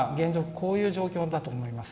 こういう状況だと思います。